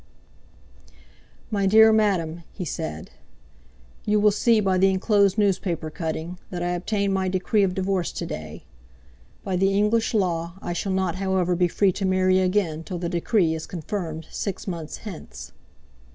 "MY DEAR MADAME (he said), "You will see by the enclosed newspaper cutting that I obtained my decree of divorce to day. By the English Law I shall not, however, be free to marry again till the decree is confirmed six months hence.